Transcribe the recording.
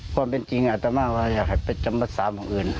เพราะเป็นจริงอาตมาว่าอยากไปจะมาสร้างแล้ว